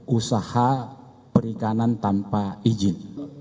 usaha perikanan tanpa izin